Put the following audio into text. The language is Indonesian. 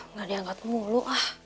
nggak diangkat mulu